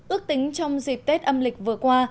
ước tính trong dịp tết âm lịch vừa qua